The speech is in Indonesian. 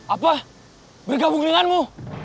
apa bergabung denganmu